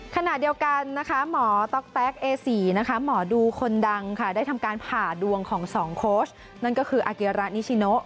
ขณะเดียวกันนะคะหมอต๊อกแต๊กเอสีนะคะหมอดูคนดังค่ะได้ทำการผ่าดวงของสองโค้ชนั่นก็คืออาเกียระนิชิโน